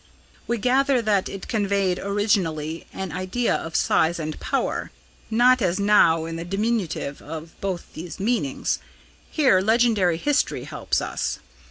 We gather that it conveyed originally an idea of size and power, not as now in the diminutive of both these meanings. Here legendary history helps us.